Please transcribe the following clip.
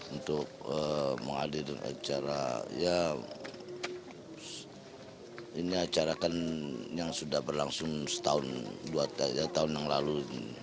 untuk menghadirkan acara ya ini acara kan yang sudah berlangsung setahun dua tahun yang lalu